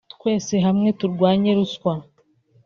”Twese hamwe turwanye ruswa